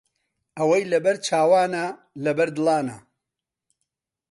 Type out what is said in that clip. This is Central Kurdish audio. ئەوەی لەبەر چاوانە، لەبەر دڵانە